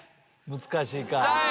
難しいか。